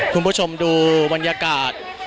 คุณผู้ชมดูบรรยากาศ